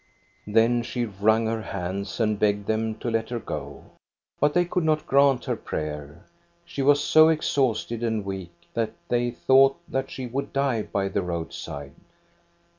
Then she wrung her hands and begged them to let her go. But they could not grant her prayer. She THE IRON FROM EKEBY 287 was so exhausted and weak that they thought that she would die by the roadside.